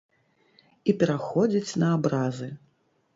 І пераходзіць на абразы.